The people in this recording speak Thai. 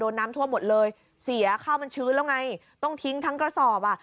น้ำท่วมหมดเลยเสียข้าวมันชื้นแล้วไงต้องทิ้งทั้งกระสอบอ่ะ